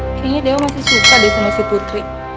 akhirnya dewa masih suka deh sama si putri